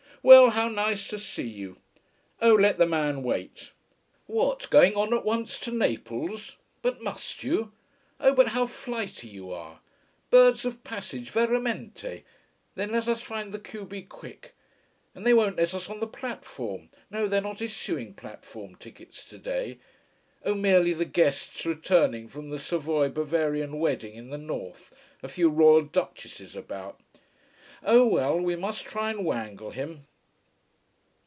Well, how nice to see you. Oh, let the man wait. What, going on at once to Naples? But must you? Oh, but how flighty you are! Birds of passage veramente! Then let us find the q b, quick! And they won't let us on the platform. No, they're not issuing platform tickets today. Oh, merely the guests returning from that Savoy Bavarian wedding in the north, a few royal Duchesses about. Oh well, we must try and wangle him."